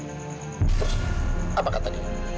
terus apa katanya